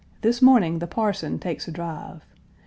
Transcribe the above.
This morning the parson takes a drive.